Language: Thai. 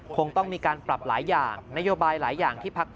คงต้องมีการปรับหลายอย่าง